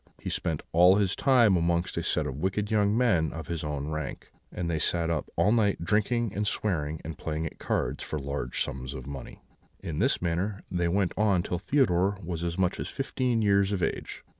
He spent all his time amongst a set of wicked young men of his own rank; they sat up all night drinking and swearing and playing at cards for large sums of money. "In this manner they went on till Theodore was as much as fifteen years of age.